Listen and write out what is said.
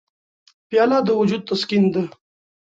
پیاله د وجود تسکین ده.